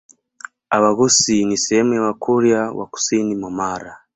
Abhaghusii ni sehemu ya Wakurya wa kusini mwa Mara